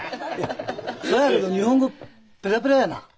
そやけど日本語ペラペラやな。